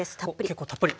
結構たっぷり。